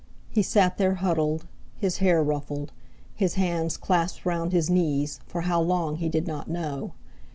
He sat there huddled, his hair ruffled, his hands clasped round his knees, for how long he did not know.